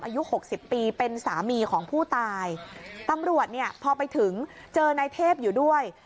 หกสิบปีเป็นสามีของผู้ตายตำรวจเนี่ยพอไปถึงเจอนายเทพอยู่ด้วย